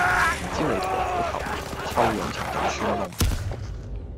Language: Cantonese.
只要你抬起頭，臭氧層就會穿窿